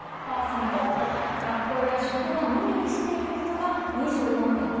学校や職場のみにしている人が２４．７％。